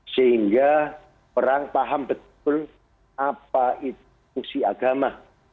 sehingga orang paham betul apa itu fungsi agama